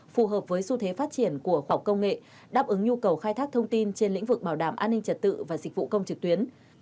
phù hợp với xu thế phát triển của khoa học công nghệ đáp ứng nhu cầu khai thác thông tin trên lĩnh vực bảo đảm an ninh trật tự và dịch vụ công trực tuyến